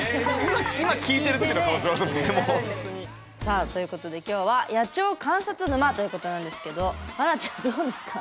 さあということできょうは「野鳥観察沼」ということなんですけど華ちゃんどうですか？